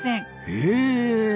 へえ。